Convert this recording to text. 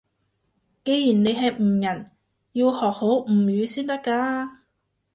既然你係吳人，要學好吳語先得㗎